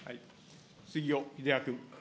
杉尾秀哉君。